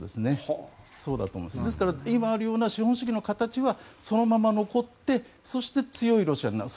ですから今あるような資本主義の形はそのまま残ってそして強いロシアになる。